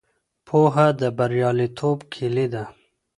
پوهه د بریالیتوب کیلي ده.